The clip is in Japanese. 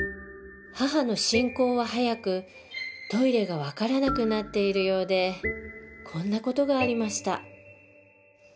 母の進行は速くトイレが分からなくなっているようでこんな事がありました